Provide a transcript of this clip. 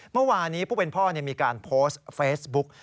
เมื่อวานี้ผู้เป็นพ่อมีการโพสต์เฟซบุ๊ก